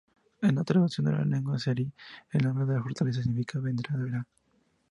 En la traducción de la lengua azerí el nombre de la fortaleza significa "vendrá-verá".